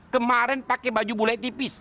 kemarin pake baju bule tipis